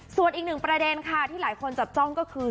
ส่วนอีกหนึ่งประเด็นค่ะที่หลายคนจับจ้องก็คือ